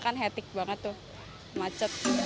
kan hetik banget tuh macet